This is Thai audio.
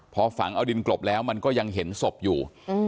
พอฝังเอาดินกลบแล้วมันก็ยังเห็นศพอยู่